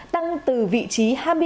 tám tăng từ vị trí